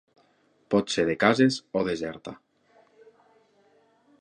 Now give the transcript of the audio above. Pot ser de cases o deserta.